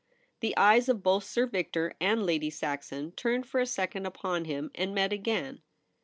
The eyes of both Sir Victor and Lady Saxon turned for a second upon him, and met again.